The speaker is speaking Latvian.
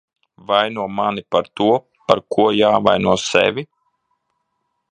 Vaino mani par to, par ko jāvaino sevi.